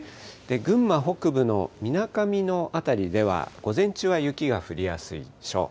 群馬北部のみなかみの辺りでは、午前中は雪が降りやすいでしょう。